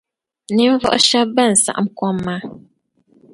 Ninvuɣu shɛba ban saɣim kom maa.